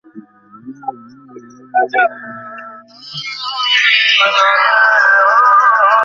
কেন তারা আমাকে জিম্মিদের সম্পর্কে জিজ্ঞাসা করছে?